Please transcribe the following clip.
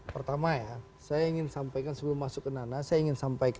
pertama ya saya ingin sampaikan sebelum masuk ke nana